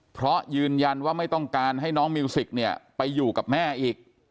เพราะยืนยันว่าไม่ต้องการให้น้องมิวสิกเนี่ยไปอยู่กับแม่อีก